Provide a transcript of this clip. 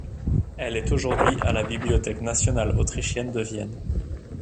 Elle est aujourd'hui à la Bibliothèque nationale autrichienne de Vienne.